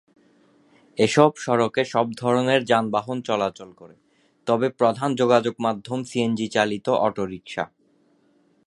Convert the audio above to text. এসব সড়কে সব ধরনের যানবাহন চলাচল করে, তবে প্রধান যোগাযোগ মাধ্যম সিএনজি চালিত অটোরিক্সা।